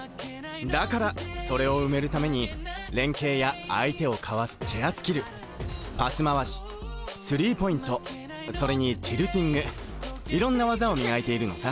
だからそれを埋めるために連携や相手をかわすチェアスキルパス回しスリーポイントそれにティルティングいろんな技を磨いているのさ。